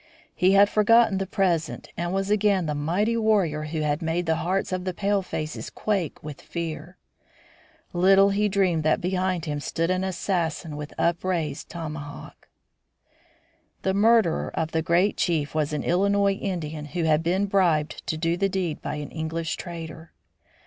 He had forgotten the present and was again the mighty warrior who had made the hearts of the palefaces quake with fear. Little he dreamed that behind him stood an assassin with up raised tomahawk. The murderer of the great chief was an Illinois Indian who had been bribed to do the deed by an English trader.